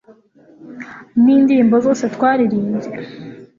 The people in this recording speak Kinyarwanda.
nindirimbo zose twaririmbye